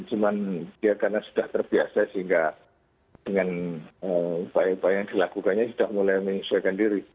cuman ya karena sudah terbiasa sehingga dengan upaya upaya yang dilakukannya sudah mulai menyesuaikan diri